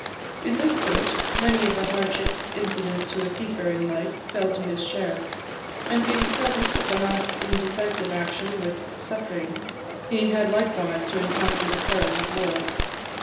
In this post, many of the hardships incident to a seafaring life fell to his share; and being present at the last indecisive action with "Suffrein," he had likewise to encounter the perils of war.